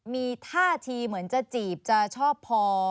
มีท่าทีเหมือนจะจีบจะชอบพอ